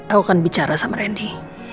aku akan bicara sama randy